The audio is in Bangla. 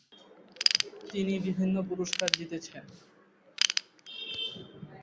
তিনি বিভিন্ন পুরস্কার জিতেছেন।